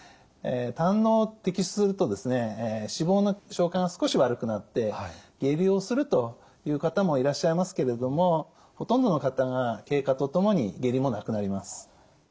胆のうを摘出すると脂肪の消化が少し悪くなって下痢をするという方もいらっしゃいますけれどもほとんどの方が経過とともに下痢もなくなります。